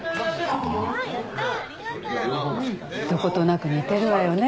どことなく似てるわよね